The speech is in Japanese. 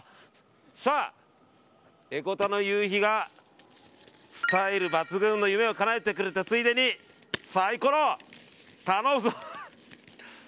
江古田の夕陽がスタイル抜群の夢をかなえてくれたついでにサイコロ、頼むぞ！